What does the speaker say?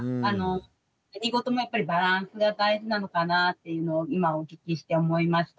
何事もやっぱりバランスが大事なのかなっていうのを今お聞きして思いました。